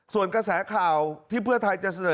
ส่วนกระแสข่าวที่เพื่อไทยจะเสนอ